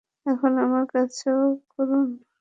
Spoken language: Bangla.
এখন আমার কাছেও করুন।